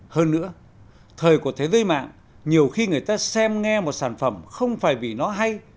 hơn nữa thời của thế giới mạng nhiều khi người ta xem nghe một sản phẩm không phải vì nó hay